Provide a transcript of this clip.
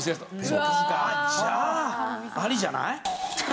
じゃあアリじゃない？